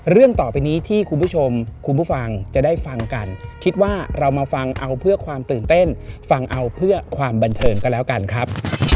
เรื่องต่อไปนี้ที่คุณผู้ชมคุณผู้ฟังจะได้ฟังกันคิดว่าเรามาฟังเอาเพื่อความตื่นเต้นฟังเอาเพื่อความบันเทิงก็แล้วกันครับ